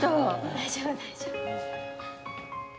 大丈夫大丈夫。